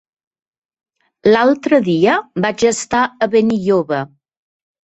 L'altre dia vaig estar a Benilloba.